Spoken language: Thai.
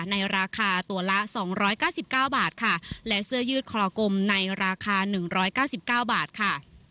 ในราคาตัวละสองร้อยเก้าสิบเก้าบาทค่ะและเสื้อยืดคลอกลมในราคาหนึ่งร้อยเก้าสิบเก้าบาทค่ะ